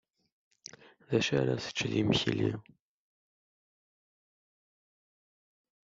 D acu ara tečč d imekli?